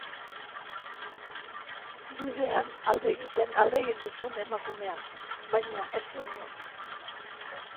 Bidean, alde egiten ahalegindu zen emakumea, baina ez zuen lortu.